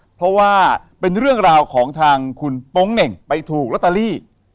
เพราะว่าเป็นเรื่องราวของทางคุณโป๊งเหน่งไปถูกลอตเตอรี่